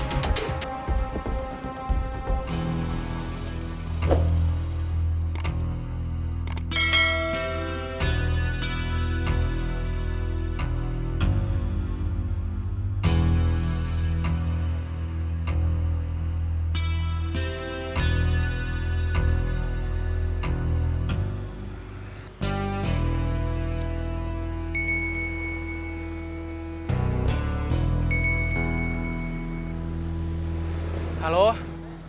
bayi trou rambut tersebut